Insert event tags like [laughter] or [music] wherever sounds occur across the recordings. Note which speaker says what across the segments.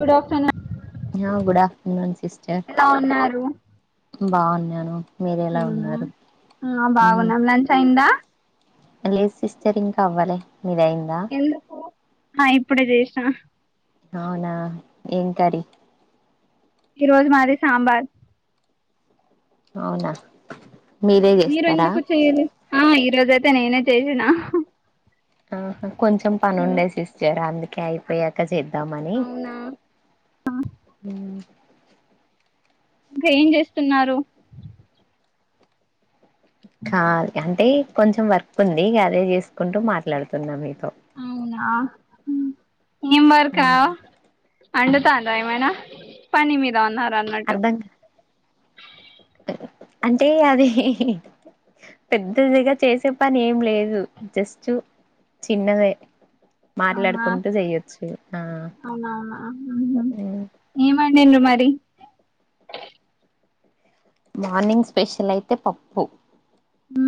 Speaker 1: Good afternoon
Speaker 2: good afternoon సి
Speaker 1: ఎలా ఉన్నారు
Speaker 2: బాగున్నాను మీరు ఎలా ఉన్నారు
Speaker 1: హ్మ్
Speaker 2: మ్
Speaker 1: బాగున్నాం లంచ్ అయిందా
Speaker 2: లేదు సిస్టర్ ఇంకా అవ్వలే మీదయ్యిందా
Speaker 1: ఎందుకు ఆ ఇప్పుడే జేసినా
Speaker 2: అవునా ఏం కర్రి
Speaker 1: ఈ రోజు మాది సాంబా
Speaker 2: అవునా మీరే
Speaker 1: మీరు
Speaker 2: చేస్తారా
Speaker 1: ఎందుకు చెయలె ఆ ఇ ఈ రోజ అయితే నేనే చేసిన
Speaker 2: ఆహ కొంచెం పని ఉండే సిస్టర్ అందు కె అయిపోయాక చేద్ ద్దామని
Speaker 1: ఆ
Speaker 2: హ్మ్
Speaker 1: ఇంకా ఏం జేస్తున్నారు
Speaker 2: కాల్ అంటే కొంచెం వర్క్ ఉంది గ అదే చేసుకుంటూ మాట్లాడుతున్నా మీతో
Speaker 1: ఆహా హమ్ నిం బర్కా అండుతా అందా ఏమైనా పని మీద ఉన్నార న్నట్టు
Speaker 2: అర్ధం అంటే అది పెద్దదిగా చేసే పని ఏం లేదు జస్ట్ చిన్నదే
Speaker 1: అవునా
Speaker 2: మాట్లాడుకుంటూ చెయొచ్చు ఆ
Speaker 1: అవున హమ్ మ్మ
Speaker 2: మ్
Speaker 1: ఏ అన్ మరి
Speaker 2: మార్నింగ్ స్పెషల్ అయితే పప్పు
Speaker 1: హ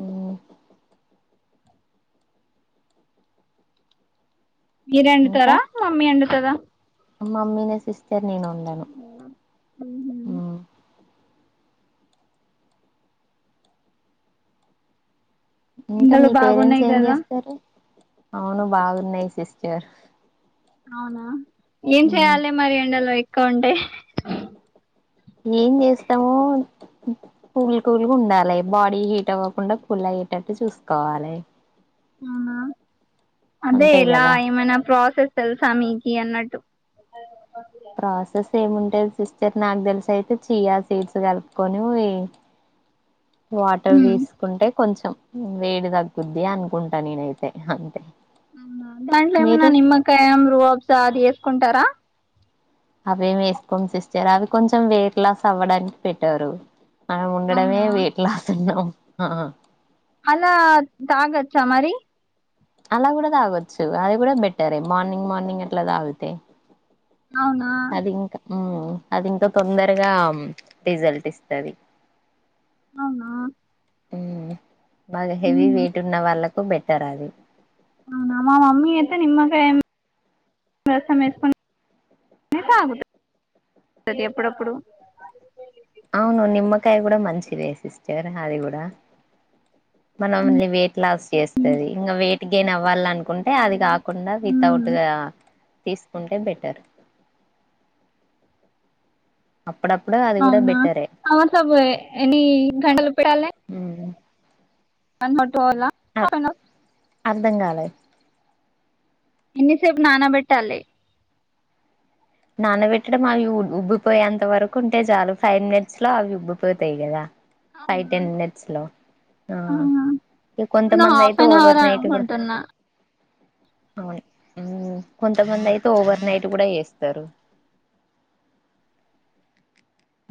Speaker 2: హమ్
Speaker 1: మీరు ఎండుతారా మమ్మీ ఎండుతారా
Speaker 2: మమీ న సిస్టర్ నీను ఉందను
Speaker 1: ఉహు
Speaker 2: ఇంకా
Speaker 1: ఎండలు
Speaker 2: మీ పేరెంట్స్
Speaker 1: బాగున్నాయి
Speaker 2: ఏం
Speaker 1: కదా
Speaker 2: చేస్తారు అవును బాగున్నాయి సిస్టర్
Speaker 1: అవునా ఏన్
Speaker 2: మ్
Speaker 1: చేయయాలే మరి ఎండలో కా ఉంటే
Speaker 2: ఏం చేస్తామో పూల్ కూల్ ఉండాలి బాడీ హీట్ అవ్వకుండా ఫుల్ హీటట్టు చూసుకోవాలి
Speaker 1: హవానా అదే
Speaker 2: అంతే
Speaker 1: ఎలా
Speaker 2: కదా
Speaker 1: ఏమనా ప్రాసెస్ తెలుసమికి అన్నట్టు
Speaker 2: ప్రాసెస్ ఏముంటేది సిస్టర్ నాకు తెలిస అయితే చీయా సీట్స్ కలుపుకొని వాటర్
Speaker 1: ఉమ్
Speaker 2: తీసుకుంటే కొంచెం వేడి తగ్గుద్ది అనుకుంటా నేనుతే అంతే
Speaker 1: టై నా
Speaker 2: మీరు
Speaker 1: నిమకాయ రు అబ్సాది ఎ చెకుంటారా
Speaker 2: అవేం వేసుకోం సిస్టర్ అవి కొంచెం వెయిట్ లాస్ అవ్వడానికి పెట్టారు ఆ ఉండడమే
Speaker 1: అవునా
Speaker 2: వెయిట్ లాస్ ఉన్నా ఆహా
Speaker 1: అలా తాగచ్చా మరి
Speaker 2: అలా కూడా తాగొచ్చు అది కూడా బెటరే మార్నింగ్ మార్నింగ్ అట్లా తాగితే
Speaker 1: అవునా
Speaker 2: అది ఇంకా ఉ అది ఇంకా తొందరగా రిజల్ట్ ఇస్తుది
Speaker 1: అవునా
Speaker 2: హుహు బగా హెవీ
Speaker 1: ఉమ్
Speaker 2: వెయిట్ ఉన్న వాళ్ళకు బెటర్ అది
Speaker 1: అవునా మా మమ్మీ అయితే నిమ్మకాయ్ రసం వేసుకుని సాగుతద్ ఎప్పుడేప్పుడు
Speaker 2: అవును నిమ్మకాయ కూడా మంచిదే సిస్టర్, అది కూడా మనమల్ని వెయిట్ లాస్ చేస్తది. ఇగా వెయిట్ గెయిన్ అవ్వాల అనుకు కుంటే అది
Speaker 1: అవునా
Speaker 2: కాకుండా
Speaker 1: ఉమ్
Speaker 2: వితౌట్గా తీసు ఉంటే బెటర్ అప్పుడప్పుడు అది కూడా
Speaker 1: అవునా
Speaker 2: బెటరే
Speaker 1: అవసబే ఎన్ని గంటలు పెడలే. అనట్ పోలా పోయానవ్
Speaker 2: అర్ధం గాలే
Speaker 1: ఎన్నిసేపు నానబెట్టాలే
Speaker 2: నానబెట్టడం అవి ఉబ్బిపోయే అంత వరకు ఉంటే చాలు. ఫైవ్ మినిట్స్ లో అవి ఉబ్బిపోతాయి. కదా ఫైవ్
Speaker 1: అవునా
Speaker 2: టెన్ మినిట్స్ లో ఆ ఇగా
Speaker 1: నేను
Speaker 2: కొంతమంది
Speaker 1: హాఫ్
Speaker 2: అయితే
Speaker 1: అన్
Speaker 2: ఓవర్
Speaker 1: అవర్
Speaker 2: నైట్ కూడా
Speaker 1: అనుకుంటున్నా
Speaker 2: అవును హు కొంతమంది అయితే ఓవర్ నైట్ కూడా చేస్త తరు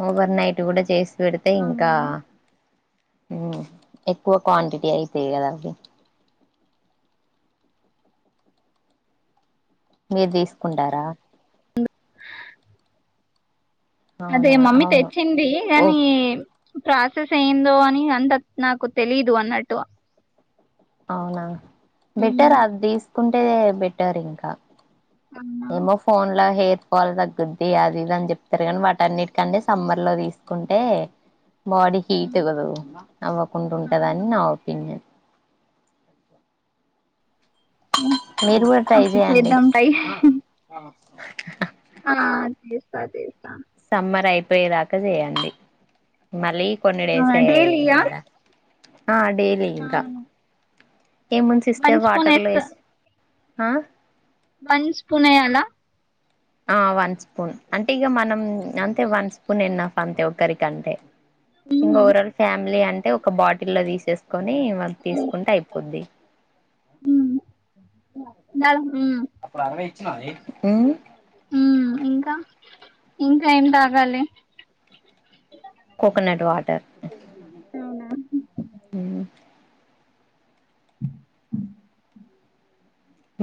Speaker 2: ఓవర్ నైట్ కూడా జేస్ పెడితే ఇంకా
Speaker 1: అవునా
Speaker 2: హు ఎక్కువ క్వాంటిటీ అయితాయి కదా అవి మీరు తీసుకుండారా
Speaker 1: అదే
Speaker 2: అవునా
Speaker 1: మమ్మీ
Speaker 2: అవును
Speaker 1: తెచ్చింది
Speaker 2: ఓ
Speaker 1: గానీ ప్రాసెస్ అయిదో అని అందత్ నాకు తెలీదు అన్నట్టు
Speaker 2: అవునా బెటర్
Speaker 1: మ్మ్
Speaker 2: ఆ దిస్ కుంటేదే బెట్టర్ ఇంకా
Speaker 1: అవునా
Speaker 2: ఏమో ఫోన్ల హేర్ కోవల్ కాద్ కూడి అది ఇదన్ అని చెప్తారు. గాని వాటాన్నిటికంటే సమ్మర్ లో తీసుకుంటే బాడీ హీట్ కదు నవ్వకుండా ఉంటదని నా ఒపీనియన్ మీరు కూడా ట్రై
Speaker 1: ఓకే
Speaker 2: చేయండి.
Speaker 1: చేద్దాం ట్రై ఆ తీస్తా, తీస్తా.
Speaker 2: సమ్మర్ అయిపోయే దాకా జేయండి. మళ్ళీ కొన్ని
Speaker 1: ఆ
Speaker 2: డేసే
Speaker 1: డైలీయా
Speaker 2: గాదా ఆ డైలీ ఇంకా
Speaker 1: అవును
Speaker 2: ఏ మున్
Speaker 1: వన్
Speaker 2: సిస్టర్
Speaker 1: స్పూన్ వేస్తా
Speaker 2: వాటర్లేస్ ఆ
Speaker 1: వన్ స్ఫూనేయాలా
Speaker 2: ఆ వన్ స్పూన్ అంటే ఇగా మనం అంతే వన్ స్పూన్ ఎన్నఫ అంతే ఒరికంటే
Speaker 1: మ్మ్
Speaker 2: ఇగోరోర్ ఫ్యామిలీ ఆన్ అ ఒక బాటిల్ లో తీసేస్తా కొని వాళ్ళు తీసుకుంటే అయిపోద్ది
Speaker 1: నగు [unintelligible]
Speaker 2: అప్పుడు అరవై [unintelligible]
Speaker 1: మ్మ్ ఇంకా ఇంకా ఏం తాగాలే
Speaker 2: కోకోనట్ వాటర్
Speaker 1: అవునా
Speaker 2: [unintelligible]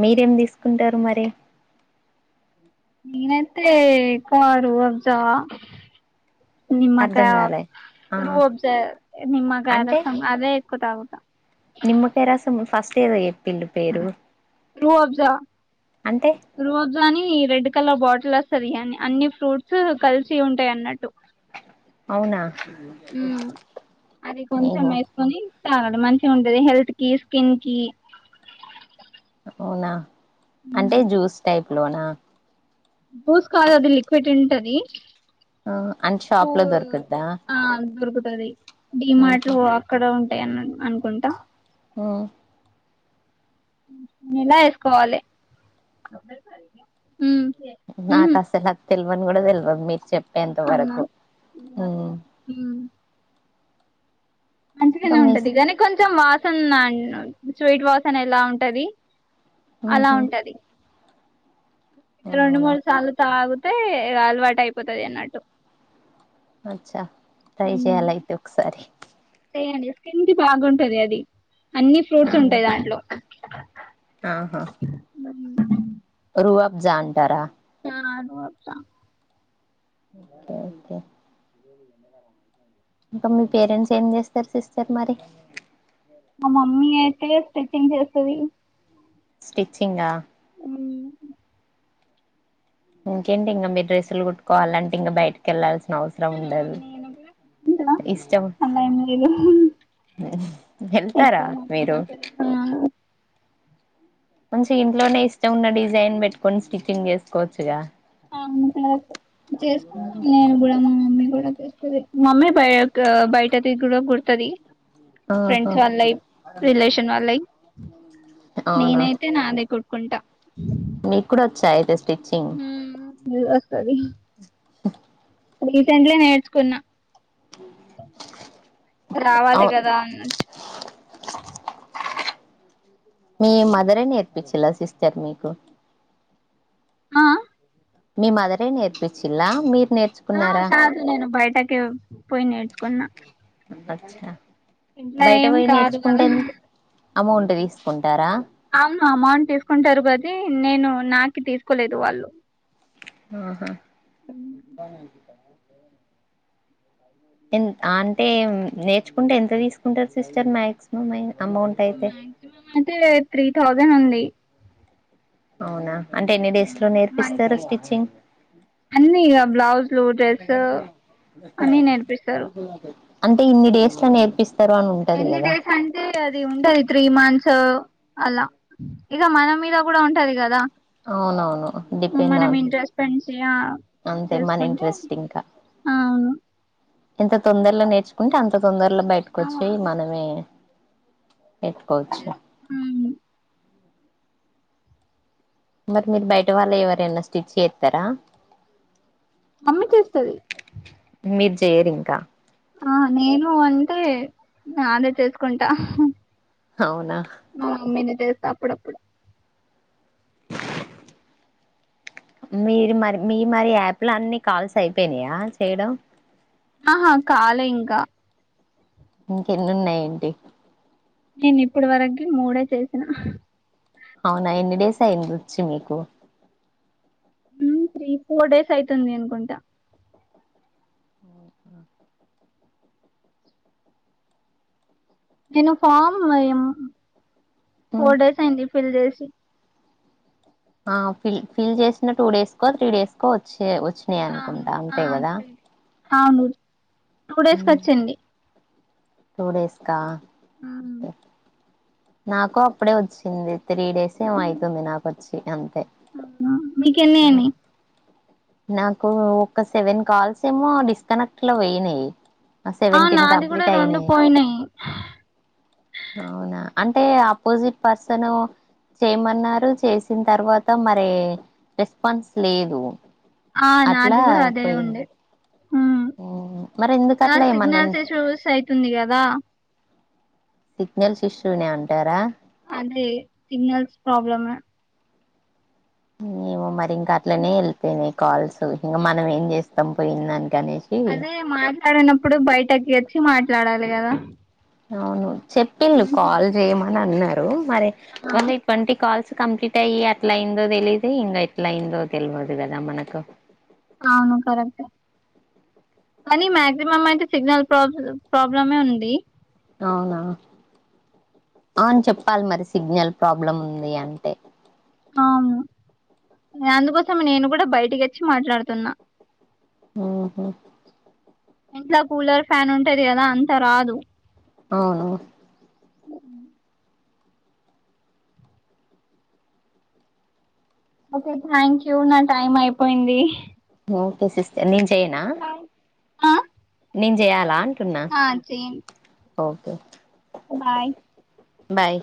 Speaker 2: మీరేం తీసుకుంటారు మరి?
Speaker 1: నేన్ ఐతే [unintelligible]
Speaker 2: అర్ధం
Speaker 1: నిమకా
Speaker 2: కాలే ఆ
Speaker 1: రూ వబ్జ నిమకాయ్
Speaker 2: అంటే
Speaker 1: రసం అదే కు తాగుతా
Speaker 2: తే గ
Speaker 1: రూ అఫజా
Speaker 2: అంటే
Speaker 1: రూ అఫ్జాని రెడ్ కల బాటిల్ వస్తుంది అని అన్ని ఫ్రూట్స్ కలిసి ఉంటాయి అన్నట్టు
Speaker 2: అవునా
Speaker 1: మ్మ్ అది కొంచెం
Speaker 2: ఏహో
Speaker 1: వేసుకొని చాలడి మంచిగా ఉంటది హెల్త్ కి స్కిన్ కి
Speaker 2: అవునా? అంటే జ్యూస్ టైప్ లోనా
Speaker 1: బూస్ కాదు అది లిక్విడ్ ఉంటది
Speaker 2: ఆహ్ అ షాప్ లో దొరుకుద్దా
Speaker 1: పది డి
Speaker 2: ఉహు
Speaker 1: మార్ట్లో అక్కడ టెన్ అనుకుంటా
Speaker 2: హు
Speaker 1: ఇలా వేసుకోవాలి ఉమ్ ఉహు
Speaker 2: నాకాసల్ అది తెల్వ వన్ గూడ తెల్వద్ మిక్ చెప్
Speaker 1: అవునా [unintelligible] ఉమ్
Speaker 2: ఇంకా
Speaker 1: మంచిగానే
Speaker 2: మీస్
Speaker 1: ఉంటది గానీ కొంచెం వా [unintelligible] స్వీట్ వాసన్ ఎలా ఉంటది అలా
Speaker 2: ఉహు
Speaker 1: ఉంటది రెండు
Speaker 2: అవునా
Speaker 1: మూడు సార్లు తాగు తే అలవాటు అయిపోతది అన్నట్టు
Speaker 2: అచ్చా ట్రై
Speaker 1: ఉమ్
Speaker 2: చేయాలి అయితే ఒకసారి
Speaker 1: తింటే బాగుంటది అది అన్ని ఫ్రూట్స్
Speaker 2: అవునా
Speaker 1: ఉంటాయి దాంట్లో
Speaker 2: ఆహా రువాబ్ జా అంటారా
Speaker 1: ఆ దోప్త
Speaker 2: ఓకే ఓకే ఇంకా మీ పేరెంట్స్ ఏం చేస్తారు సిస్టర్ మరి
Speaker 1: మా మమ్మీ అయితే స్టిచ్చింగ్ జేస్తది
Speaker 2: స్టిట్చింగా
Speaker 1: ఉ
Speaker 2: ఇంకేంటి ఇంకా మీ డ్రెస్సులు కుట్టుకోవాలంటే ఇంకా బయట్కి వెళ్ళాలిసి అవసరం
Speaker 1: ఆ
Speaker 2: ఉండదు
Speaker 1: నేను కూడా తింటా
Speaker 2: ఇష్టం
Speaker 1: అలా ఏం లేదు
Speaker 2: వెళ్తారా
Speaker 1: ఎక్కువ మమ్మీ
Speaker 2: మీరు
Speaker 1: కొడుతది ఆ
Speaker 2: మంచిగా ఇంట్లోనే ఇష్టం ఉన్న డిజైన్ పెట్టుకొని స్టిచ్చింగ్ చేసుకోవచ్చుగా
Speaker 1: అవును టైట్ చేసుకుంటాం నేను కూడా మా మమ్మీ కూడా మమ్మీ బయ క్ బయటది కూడా గుడతది
Speaker 2: ఆహా
Speaker 1: ఫ్రెండ్స్ వాళ్ళయి రిలేషన్ వాళ్ళయి నేనైతే నాది అయితే కుట్ కుంట
Speaker 2: నిక్ కుడా ఒచ్చా అయితే స్టిచింగ్
Speaker 1: మ్మ్ వస్తది
Speaker 2: ఆ
Speaker 1: రీసెంట్లీ నేర్చుకున్నా రావాలి
Speaker 2: అవు
Speaker 1: కదా అన్నచ్చు
Speaker 2: మీ మదరే నేర్పిచ్చుల్లా సిస్టర్ మీకు
Speaker 1: ఆ
Speaker 2: మీ మదరే నేర్పిచ్చుల్లా మీ
Speaker 1: ఆ కాదు నేను బయటకే పోయి నేడ్చుకున్న
Speaker 2: అచ్చా
Speaker 1: ఇంట్లో
Speaker 2: బయట
Speaker 1: ఏం
Speaker 2: పోయి
Speaker 1: కాదు కదా
Speaker 2: నేర్చుకుంటే అమౌంట్ తీసుకుంటారా
Speaker 1: అవును అమౌంట్ తీసుకుంటారు కాబట్టి నేను నాకు తీసుకోలేదు వాళ్ళు
Speaker 2: ఆహా అంటే నేర్చుకుంటే ఎంత తీసుకుంటారు సిస్టర్ మాక్సిమం అయి
Speaker 1: మ్యాగ్సిమం అయితే త్రీ థౌజంన్ ఉంది
Speaker 2: అవునా అంటే ఎన్ని డేస్ లో నేర్పిస్తారు
Speaker 1: మంచి
Speaker 2: స్టిచ్చింగ్
Speaker 1: అన్ని ఇగ బ్లౌజులు డ్రెస్ అన్ని నేర్పిస్తారు
Speaker 2: అంటే ఇన్ని డేస్ లో నేర్పిస్
Speaker 1: ఎన్ని డేస్ అంటే అది ఉండది త్రీ మంత్స్ అలా ఇగ మన మీద గూడా ఉంటది గదా
Speaker 2: అవునవును డిపెండ్
Speaker 1: మనం
Speaker 2: ఆన్
Speaker 1: ఇంట్ర స్పెండ్ చేయ
Speaker 2: అంతే మన
Speaker 1: చేసుకుంటే
Speaker 2: ఇంట్రెస్ట్
Speaker 1: అ అవును
Speaker 2: ఇంత తొందరలో నేర్చుకుంటే అంత తొందరలో బయటకొచ్చి మనమే పెట్టుకోవచ్చు
Speaker 1: మ్మ్
Speaker 2: మరి మీరు బయట వాళ్ళ ఎవరైనా స్టిచ్ చేస్తారా
Speaker 1: అమ్మి చేస్తది
Speaker 2: మీరు చెయ్యరు ఇంకా
Speaker 1: ఆ నేను అంటే ఆదే చేసుకుంటా
Speaker 2: అవునా
Speaker 1: మా మమ్మీ నే తెడుతా అప్పుడప్పుడు
Speaker 2: ఆ మీరు మరి మీ మరి యాప్ లో అన్ని కాల్స్ అయిపోయినాయా చేయడం
Speaker 1: ఆహా కాలే ఇంకా
Speaker 2: ఇంకా ఎన్ని ఉన్నాయి ఏంటి
Speaker 1: నేను ఇప్పుడు వరకి మూడే చేసిన
Speaker 2: అవునా ఎన్ని డేస్ అయింది వచ్చి మీకు
Speaker 1: మ్మ్ త్రీ ఫోర్ డేస్ అయితుంది అనుకుంటా తిను ఫమ్ మాయమ్
Speaker 2: ఉమ్.
Speaker 1: ఫోర్ డేస్ అయింది ఫిల్ చేస్ కి
Speaker 2: ఆ ఫిల్ ఫిల్ చేసిన టూ డేస్ కో త్రీ డేస్ కో వచ్చి ఏ వచ్చినాయి అనుకుంటా అంతే గదా
Speaker 1: అవునూరు టూ డేస్ కు వచ్చండి
Speaker 2: టూ డేస్ కా అకా నాకు అప్పుడే వచ్చింది త్రీ డేస్ ఏమో ఐతుంది నాకువోచ్చి అం
Speaker 1: మీ కెన్ని అని
Speaker 2: నాకు ఒక సెవెన్ కాల్స్ ఏమో డిస్ కనెక్ట్ లో వెయినాయి
Speaker 1: ఆ నాది గూడా రెండు పోయినాయి
Speaker 2: అవునా అంటే ఆపోజిట్ పర్సన్ చేయమన్నారు చేసిన తర్వాత మరి రెస్పాన్స్ లేదు
Speaker 1: ఆ
Speaker 2: అట్లా
Speaker 1: నాది గూడా అదే
Speaker 2: పోయింది
Speaker 1: ఉండే హ్మ్
Speaker 2: మరి ఎందుకు
Speaker 1: ఆ
Speaker 2: అట్లా ఏమన్నా
Speaker 1: సిగ్నల్స్ చూస్ అయితుంది గదా
Speaker 2: సిగ్నల్స్ ఇష్యూనే అంటారా
Speaker 1: అంటే సిగనల్స్ ప్రాబ్లమ్
Speaker 2: మేమో మరి ఇంక అట్లనే వెళిపోయినాయి కాల్స్ ఇంకా మనం ఏం చేస్తాం పోయిందంట
Speaker 1: అదే మాట్లాడనప్పుడు బయటకి అ వచ్చి మాట్లాడాలి కదా
Speaker 2: అవును చెప్పి
Speaker 1: ఉహు
Speaker 2: నకాల్ చేయమని అన్నా హలో మారే
Speaker 1: ఆ
Speaker 2: వాళ్ళట్వంటకి కాల్స్ కంప్లీట్ అయి అట్లా అయిందో తెలిదు ఇంకా ఎట్లా అయిందో తెలియదు కదా మనకు
Speaker 1: అవును కరెక్ట్ కానీ మాక్సిమం అయితే సిగ్నల్ ప్రాబ్ల ప్రాబ్లమే ఉంది
Speaker 2: అవునా అవును చెప్పాలి మరి సిగ్నల్ ప్రాబ్లం ఉంది అంటే
Speaker 1: అను అందుకోసం నేను కూడా బయటికి వచ్చి మాట్లాడుతున్నా
Speaker 2: ఆహా
Speaker 1: ఇంట్లా కూలర్ ఫ్యాన్ ఉంటది కదా అంత రాదు
Speaker 2: అవును
Speaker 1: ఉ ఓకే థ్యాంక్ యూ నా టైం అయిపోయింది
Speaker 2: ఓకే స నను చెయనా
Speaker 1: బాయ్ ఆ
Speaker 2: నేను చెయాలా అంటున్నా
Speaker 1: ఆ చేయండి
Speaker 2: ఓకే
Speaker 1: బాయ్
Speaker 2: బాయ్